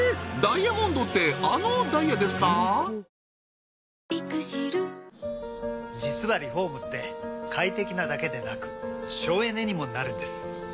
上場して実はリフォームって快適なだけでなく省エネにもなるんです。